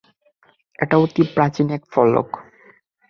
এটা অতি প্রাচীন এক ফলক।